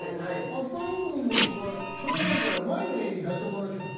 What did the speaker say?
あそこの奥のとこはしょうがないから前の家に買ってもらうしか。